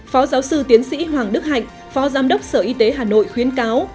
phó giáo sư tiến sĩ hoàng đức hạnh phó giám đốc sở y tế hà nội khuyến cáo